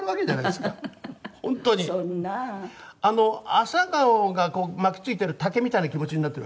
アサガオが巻き付いてる竹みたいな気持ちになってる。